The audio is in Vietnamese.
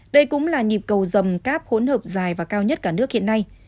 đây cũng là nhịp cầu dầm cáp hỗn hợp dài và cao nhất cả nước hiện nay